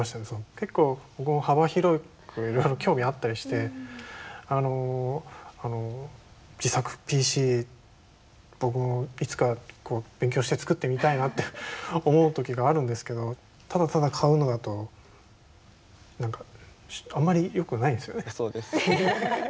結構僕も幅広くいろいろ興味あったりしてあの自作ＰＣ僕もいつか勉強して作ってみたいなって思う時があるんですけどただただ買うのだと何かあんまりよくないですよね。